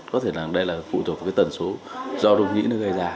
có thể là đây là phụ thuộc vào tần số do dung nhĩ nó gây ra